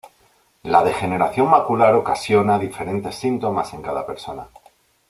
La degeneración macular ocasiona diferentes síntomas en cada persona.